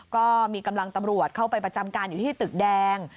ก็มีกำลังตำรวจเข้าไปประจำการอยู่ที่ตึกแดง